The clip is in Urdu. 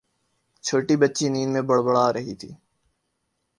چھوٹی بچی نیند میں بڑبڑا رہی تھی